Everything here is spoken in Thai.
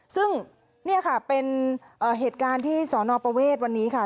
ซึ่งนี่ค่ะเป็นเหตุการณ์ที่สอนอประเวทวันนี้ค่ะ